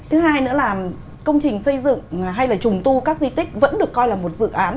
thứ hai nữa là công trình xây dựng hay là trùng tu các di tích vẫn được coi là một dự án